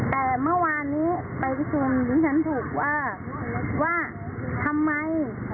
แต่เมื่อวานนี้ไปคุมยุทธิ์ภูมิว่าทำไม